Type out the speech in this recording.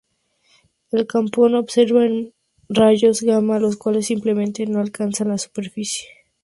El Compton observa en rayos gamma, los cuales simplemente no alcanzan la superficie.